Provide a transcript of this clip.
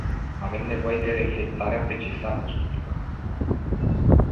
Avem nevoie de reflectarea precisă a costurilor.